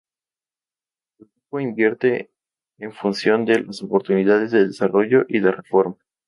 El grupo invierte en función de las oportunidades de desarrollo y de reforma.